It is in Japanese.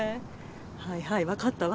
はいはいわかったわ。